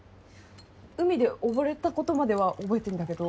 海で溺れたことまでは覚えてんだけど。